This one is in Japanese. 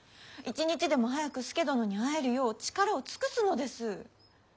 一日でも早く佐殿に会えるよう力を尽くすのです。